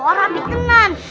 oh rabi kenan